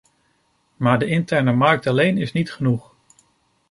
Maar de interne markt alleen is niet genoeg.